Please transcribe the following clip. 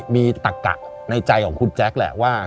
มีตัดกะในใจของคุณแจ๊กแล้วว่า